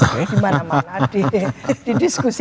di mana mana didiskusi